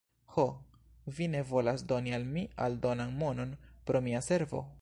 "Ho, vi ne volas doni al mi aldonan monon pro mia servo?"